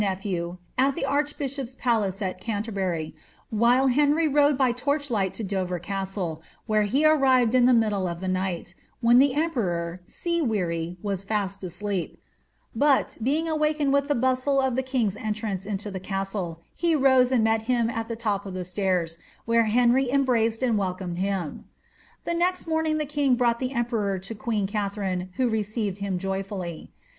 nephew at the archtmhop's palace at Canterbury, whfle Henry rode by torch light to Dover castle, where he arrired in the middle of the night, when the emperor, tea weary, was fast asleep; but, being awakened with the bustle of the king's entrance into the casde, he rose and met hitn at the top of the strairs, where Henry embraced and welcomed him. The next morning the king brought the emperor to quecL Katharine, who received him joyfully.